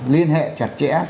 liên hệ chặt chẽ